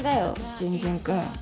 新人君。